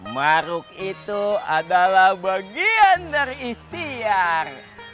maruk itu adalah bagian dari ikhtiar